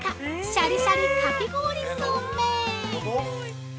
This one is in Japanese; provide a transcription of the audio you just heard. シャリシャリかき氷そうめん！